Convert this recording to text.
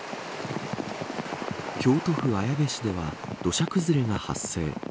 京都府綾部市では土砂崩れが発生。